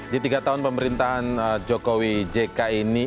di tiga tahun pemerintahan jokowi jk ini